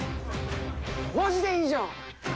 まじでいいじゃん。